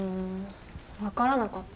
分からなかった。